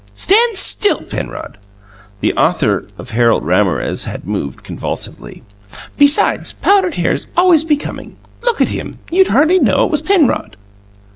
Stand still, Penrod!" (The author of "Harold Ramorez" had moved convulsively.) "Besides, powdered hair's always becoming. Look at him. You'd hardly know it was Penrod!"